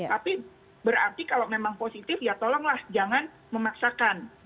tapi berarti kalau memang positif ya tolonglah jangan memaksakan